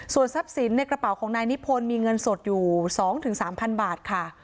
ส่วนทรัพย์สินในกระเป๋าของนายนิพลมีเงินสดอยู่สองถึงสามพันบาทค่ะ